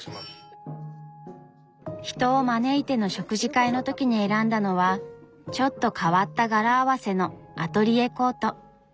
人を招いての食事会の時に選んだのはちょっと変わった柄合わせのアトリエコート。